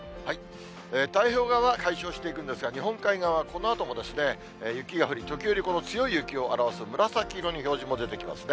太平洋側は解消していくんですが、日本海側、このあとも雪が降り、時折、強い雪を表す紫色の表示も出てきますね。